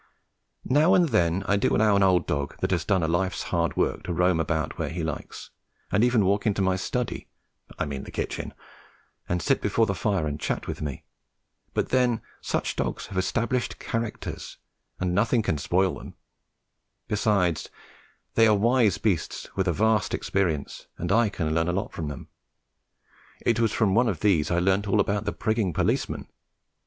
Now and then I do allow an old dog that has done a life's hard work to roam about as he likes, and even walk into my study (I mean kitchen) and sit before the fire and chat with me; but, then, such dogs have established characters, and nothing can spoil them; besides, they are wise beasts with a vast experience, and I can learn a lot from them. It was from one of these I learnt all about the prigging policeman.